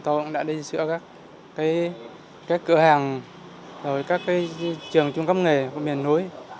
tôi cũng đã đi sửa các cửa hàng các trường trung cấp nghề của miền núi